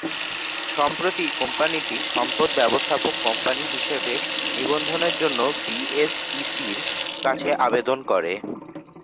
সম্প্রতি কোম্পানিটি সম্পদ ব্যবস্থাপক কোম্পানি হিসেবে নিবন্ধনের জন্য বিএসইসির কাছে আবেদন করে।